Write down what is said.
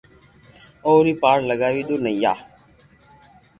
اوئي پار لاگاوئي نويا